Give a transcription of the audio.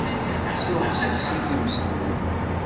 Ssenqes-as i tmes-nni.